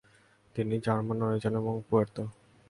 তিনি German, Norwegian এবং Puerto.